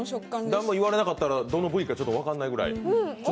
何も言われなかったらどの部位か分からないぐらい？